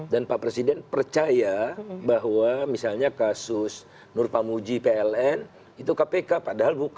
dan pak presiden percaya bahwa misalnya kasus nur pamuji pln itu kpk padahal bukan oke